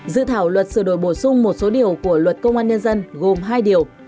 dự thảo luật sửa đổi bổ sung một số điều của luật công an nhân dân gồm hai điều